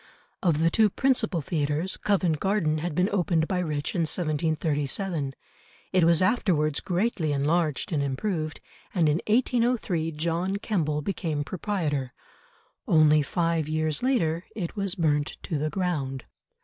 Of the two principal theatres, Covent Garden had been opened by Rich in 1737, it was afterwards greatly enlarged and improved, and in 1803 John Kemble became proprietor. Only five years later it was burnt to the ground.